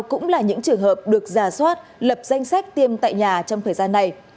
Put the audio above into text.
cũng là những trường hợp được giả soát lập danh sách tiêm tại nhà trong thời gian này